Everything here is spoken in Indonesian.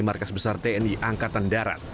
markas besar tni angkatan darat